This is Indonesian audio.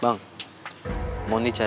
bang kubar selesai liat